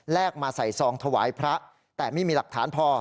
มาใส่ซองถวายพระแต่ไม่มีหลักฐานพอ